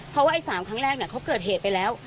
เพราะว่าไอ้๓ครั้งแรกเขาเกิดเหตุไปแล้ว